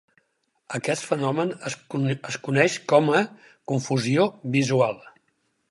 Aquest fenomen es coneix com a "confusió visual".